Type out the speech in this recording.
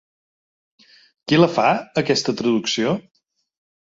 Qui la fa, aquesta traducció?